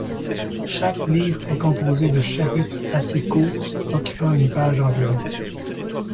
Chaque livre est composé de chapitres assez courts, occupant une page environ.